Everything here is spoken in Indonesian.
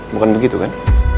bukan begitu kan